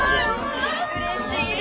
うれしい！